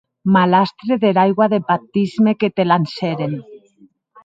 Malastre dera aigua deth baptisme que te lancèren!